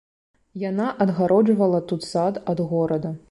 Яна адгароджвала тут сад ад горада.